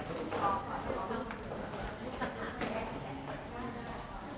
กูและตัวนั้นอยากสนุกแห้งแต่มันสามารถรักคุยกับเองนะครับ